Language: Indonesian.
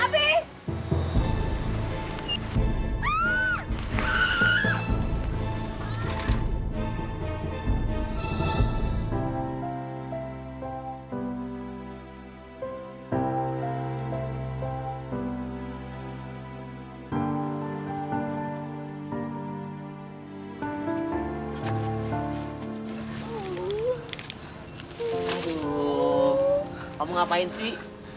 aduh kamu ngapain sih